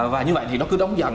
và như vậy thì nó cứ đóng dần